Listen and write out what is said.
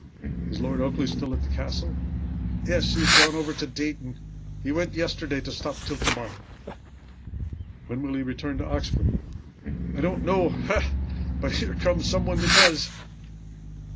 "Is Lord Oakleigh still at the castle?" "Yes. He has gone over to Dayton he went yesterday to stop till to morrow." "When will he return to Oxford?" "I don't know. Ha! but here comes somebody that does."